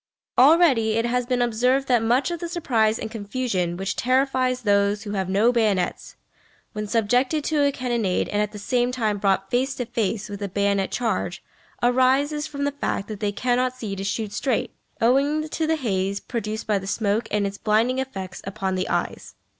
Already it has been observed that much of the surprise and confusion which terrifies those who have no bayonets, when subjected to a cannonade and at the same time brought face to face with a bayonet charge, arises from the fact that they cannot see to shoot straight, owing to the haze produced by the smoke and its blinding effects upon the eyes.